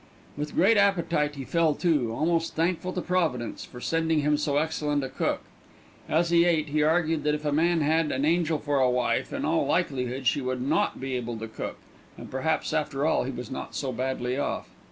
With great appetite he fell to, almost thankful to Providence for sending him so excellent a cook. As he ate he argued that if a man had an angel for a wife, in all likelihood she would not be able to cook, and perhaps after all he was not so badly off.